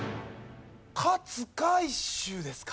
勝海舟ですか！